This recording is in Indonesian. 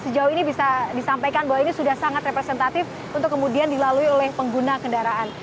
sejauh ini bisa disampaikan bahwa ini sudah sangat representatif untuk kemudian dilalui oleh pengguna kendaraan